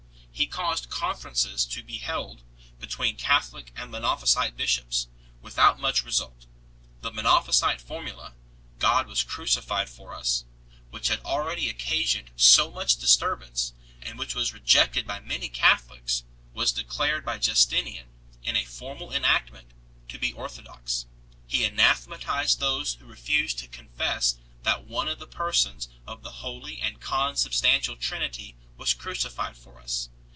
He caused conferences to be held between Catholic and Monophysite bishops 1 , without much result. The Monophysite formula, " God was crucified for us," which had already occasioned so much disturbance, and which was rejected by many Catholics, was declared by Justinian, in a formal enactment 2 , to be orthodox; he anathematized those who refused to confess that one of the Persons of the Holy and Consubstantial Trinity was crucified for us.